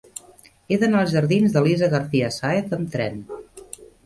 He d'anar als jardins d'Elisa García Sáez amb tren.